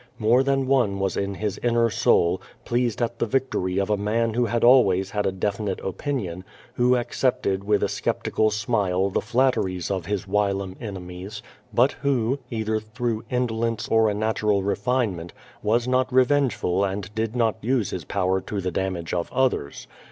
^Moiv tlian one \\ii.< in his inner soul, pleased at the victory of a man wiio always ha<l a delinite opinion, who accepted with a skeptical smile tlu* Hatteries of his whilom enemies, but who, either tlirough indolence or a natural refinement, was not revengeful and did not use his power to the damage of others.